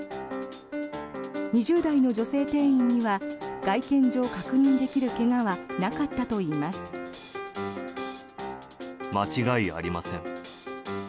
２０代の女性店員には外見上、確認できる怪我はなかったといいます。